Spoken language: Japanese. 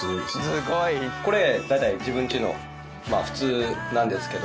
これ大体自分んちの普通なんですけど。